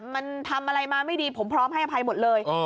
มันทำอะไรมาไม่ดีผมพร้อมให้อภัยหมดเลย